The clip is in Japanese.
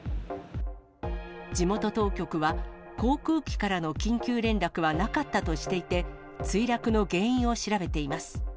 地元当局は、航空機からの緊急連絡はなかったとしていて、墜落の原因を調べています。